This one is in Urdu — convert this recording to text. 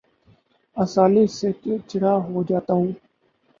آسانی سے چڑ چڑا ہو جاتا ہوں